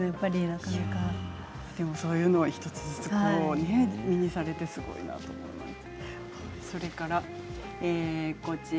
そういうのを１つずつ身につけられてすごいなと思います。